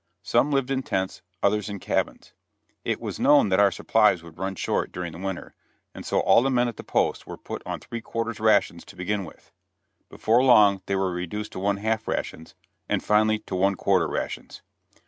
Some lived in tents, others in cabins. It was known that our supplies would run short during the winter, and so all the men at the post were put on three quarter rations to begin with; before long they were reduced to one half rations, and finally to one quarter rations.